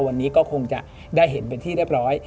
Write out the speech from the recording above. วันนี้ก็คงจะได้เห็นเป็นที่เรียบร้อย